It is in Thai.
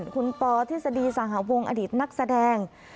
คุณปอร์ที่สดีสหวงอดีตนักแสดง